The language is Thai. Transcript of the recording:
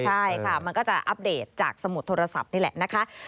ใช่ค่ะมันก็จะอัปเดตจากสมุดโทรศัพท์นี่แหละนะคะ